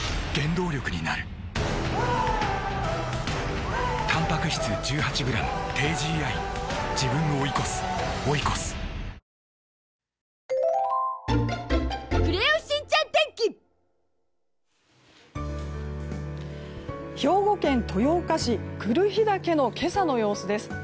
大空あおげ兵庫県豊岡市来日岳の今朝の様子です。